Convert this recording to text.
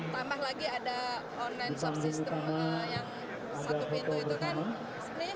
tambah lagi ada online subsystem yang satu pintu itu kan